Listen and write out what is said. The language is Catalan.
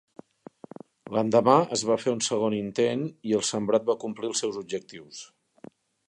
L'endemà, es va fer un segon intent, i el sembrat va complir els seus objectius.